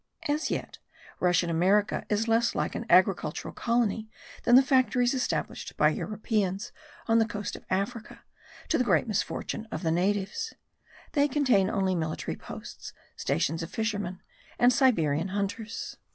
As yet Russian America is less like an agricultural colony than the factories established by Europeans on the coast of Africa, to the great misfortune of the natives; they contain only military posts, stations of fishermen, and Siberian hunters.